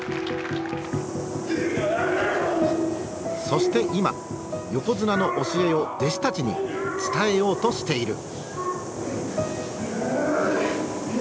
そして今横綱の教えを弟子たちに伝えようとしている。